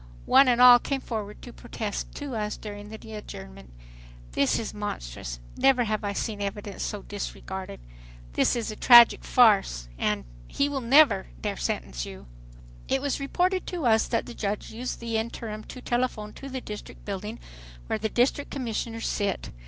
One and all came forward to protest to us during the adjournment. "This is monstrous." ... "Never have I seen evidence so disregarded." ... "This is a tragic farce" ... "He will never dare sentence you." It was reported to us that the judge used the interim to telephone to the District building, where the District Commissioners sit.